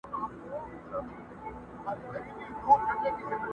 خپل خو به خپل وي بېګانه به ستا وي٫